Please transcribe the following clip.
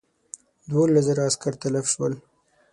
دوولس زره عسکر تلف شول.